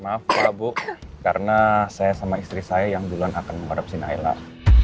maaf kalau bu karena saya sama istri saya yang duluan akan mengadopsi naila